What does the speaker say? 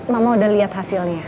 mama udah liat hasilnya